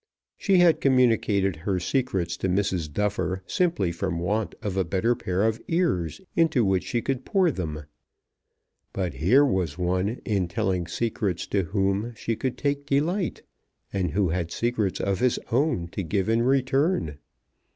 She had communicated her secrets to Mrs. Duffer simply from want of a better pair of ears into which she could pour them. But here was one in telling secrets to whom she could take delight, and who had secrets of his own to give in return.